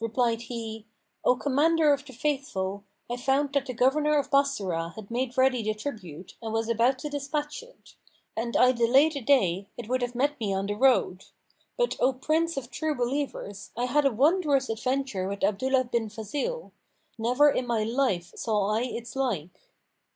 Replied he, "O Commander of the Faithful, I found that the governor of Bassorah had made ready the tribute and was about to despatch it; and I delayed a day, it would have met me on the road. But, O Prince of True Believers, I had a wondrous adventure with Abdullah bin Fazil; never in my life saw I its like."